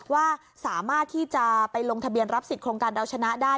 ว่าสามารถที่จะไปลงทะเบียนรับสิทธิโครงการเราชนะได้